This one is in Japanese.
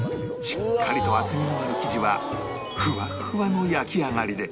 しっかりと厚みのある生地はフワッフワの焼き上がりで